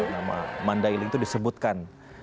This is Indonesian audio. nama mandailing itu disebutkan